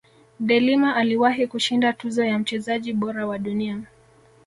delima aliwahi kushinda tuzo ya mchezaji bora wa dunia